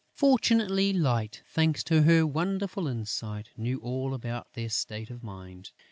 Fortunately, Light, thanks to her wonderful insight, knew all about their state of mind.